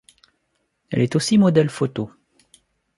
Elle est aussi modèle photo.